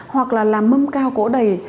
hoặc là làm mâm cao cổ đầy